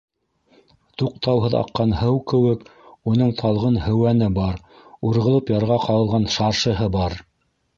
Туҡтауһыҙ аҡҡан һыу кеүек, уның талғын һеүәне бар, урғылып ярға ҡағылған шаршыһы бар.